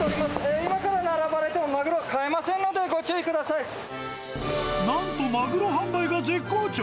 今から並ばれても、マグロは買えなんとマグロ販売が絶好調。